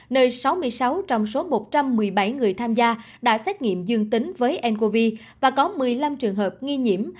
nơi sáu mươi sáu trong số một trăm một mươi bảy người tham gia đã xét nghiệm dương tính với ncov và có một mươi năm trường hợp nghi nhiễm